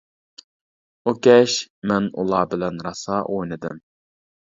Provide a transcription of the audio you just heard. ئۇ كەچ مەن ئۇلار بىلەن راسا ئوينىدىم.